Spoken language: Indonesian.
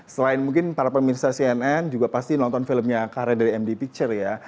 selain mungkin para pemirsa cnn juga pasti nonton filmnya karya dari md picture ya